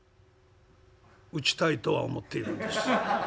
「打ちたいとは思っているんです」。